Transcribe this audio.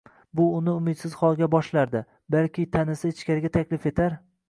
Bu uniumidsiz holga boshlardi. Balki tanisa ichkariga taklif etar